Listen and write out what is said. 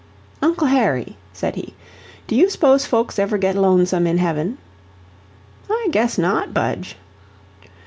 "Uncle Harry," said he, "do you 'spose folks ever get lonesome in heaven?" "I guess not, Budge."